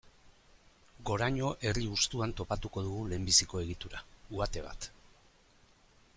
Goraño herri hustuan topatuko dugu lehenbiziko egitura, uhate bat.